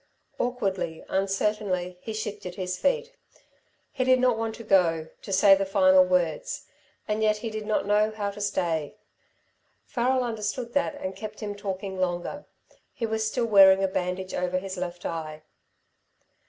Awkwardly, uncertainly, he shifted his feet. He did not want to go, to say the final words, and yet he did not know how to stay. Farrel understood that and kept him talking longer. He was still wearing a bandage over his left eye.